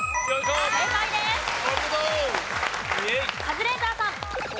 カズレーザーさん。